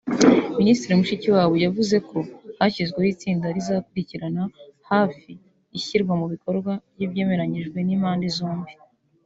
Minisitiri Mushikiwabo yavuze ko hashyizweho itsinda rizakurikiranira hafi ishyirwa mu bikorwa ry’ibyemeranyijwe n’impande zombi